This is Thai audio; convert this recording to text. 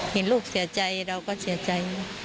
เห็นลูกเสียใจเราก็เสียใจ